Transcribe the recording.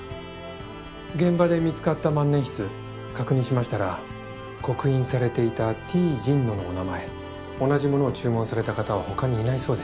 現場で見つかった万年筆確認しましたら刻印されていたＴＪｉｎｎｏのお名前同じものを注文された方は他にいないそうです。